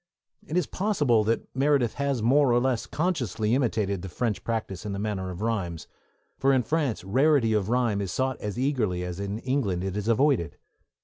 It is possible that Meredith has more or less consciously imitated the French practice in the matter of rhymes, for in France rarity of rhyme is sought as eagerly as in England it is avoided.